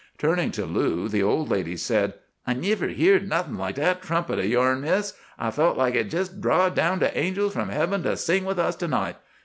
"Turning to Lou, the old lady said, 'I never heerd nothing like that trumpet of yourn, Miss. I felt like it jest drawed down the angels from heaven to sing with us to night.